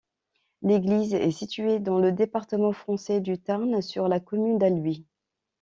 L'église est située dans le département français du Tarn, sur la commune d'Albi.